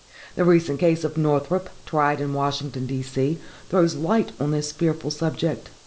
The recent case of Northrop, tried in Washington, D. C., throws light on this fearful subject.